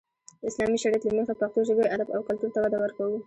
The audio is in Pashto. د اسلامي شريعت له مخې پښتو ژبې، ادب او کلتور ته وده ورکو.